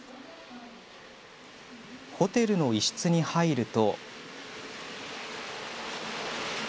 ホテルの一室に入ると。